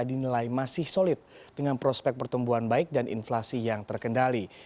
dinilai masih solid dengan prospek pertumbuhan baik dan inflasi yang terkendali